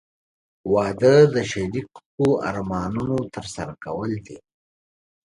• واده د شریکو ارمانونو ترسره کول دي.